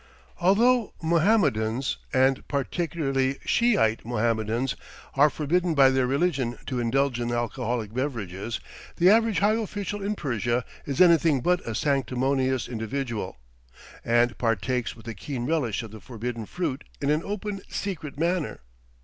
Although Mohammedans, and particularly Shiite Mohammedans, are forbidden by their religion to indulge in alcoholic beverages, the average high official in Persia is anything but a sanctimonious individual, and partakes with a keen relish of the forbidden fruit in an open secret manner.